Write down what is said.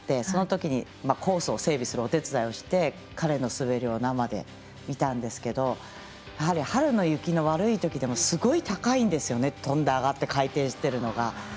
そのときにコースを整備するお手伝いをして彼の滑りを生で見たんですけど春の雪の悪いときでもすごい高いんですよねとんで上がって回転しているのが。